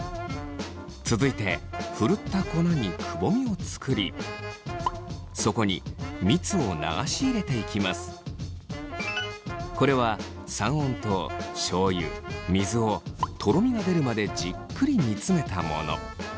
続いてふるった粉にくぼみを作りこれは三温糖しょうゆ水をとろみが出るまでじっくり煮詰めたもの。